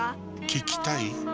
聞きたい？